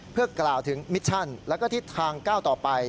เพื่อกล่าวถึงมิชชั่นแล้วก็ทิศทางก้าวต่อไป